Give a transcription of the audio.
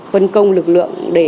phân công lực lượng để